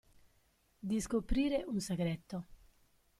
Di scoprire un segreto.